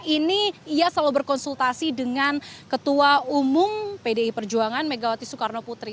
ini ia selalu berkonsultasi dengan ketua umum pdi perjuangan megawati soekarno putri